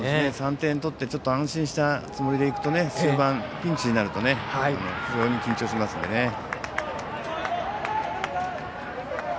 ３点取ってちょっと安心したつもりで行くと終盤ピンチになると非常に緊張しますのでね。